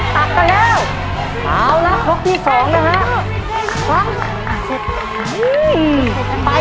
ตักตัวแล้วเอาล่ะครบที่สองนะฮะพร้อมอ่าเสร็จอืมไป